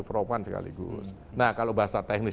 propan sekaligus nah kalau bahasa teknis